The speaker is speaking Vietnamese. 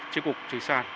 tri cục thủy sản